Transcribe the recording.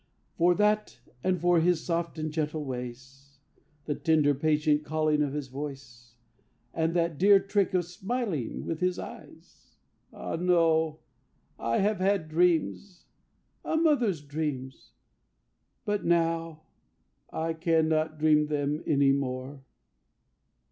For that and for his soft and gentle ways, The tender patient calling of his voice And that dear trick of smiling with his eyes. Ah no! I have had dreams a mother's dreams But now I cannot dream them any more.